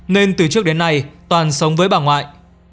nên từ trước đến nay toàn sống với bà ngoại